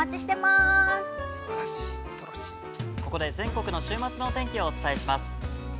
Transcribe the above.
◆ここで全国の週末の天気をお伝えします。